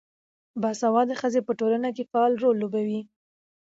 باسواده ښځې په ټولنه کې فعال رول لوبوي.